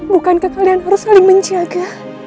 bukankah kalian harus saling menjaga